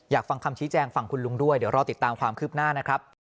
ฟังคำชี้แจงฝั่งคุณลุงด้วยเดี๋ยวรอติดตามความคืบหน้านะครับ